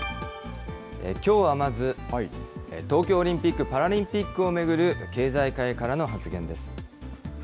きょうはまず、東京オリンピック・パラリンピックを巡る経済界からの発言です。